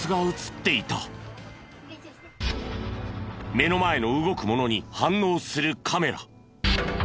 目の前の動くものに反応するカメラ。